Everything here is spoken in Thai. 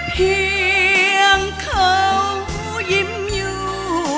เพียงเขายิ้มอยู่